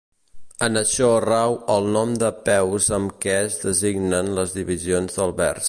En això rau el nom de peus amb què es designen les divisions del vers.